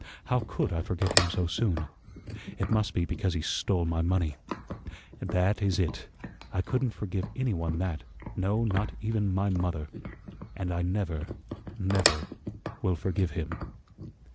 How COULD I forget him so soon? It must be because he stole my money. That is it. I couldn't forgive anyone that no, not even my MOTHER. And I never never will forgive him."